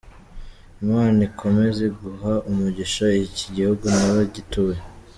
Imana ikomeze guha umugisha iki gihugu n’abagituye."